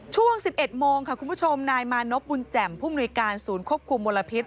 ช่วง๑๑โมงค่ะคุณผู้ชมนายมานพบุญแจ่มผู้มนุยการศูนย์ควบคุมมลพิษ